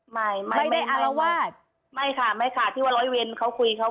ไม่ไม่ได้อารวาสไม่ค่ะไม่ค่ะที่ว่าร้อยเวรเขาคุยเขา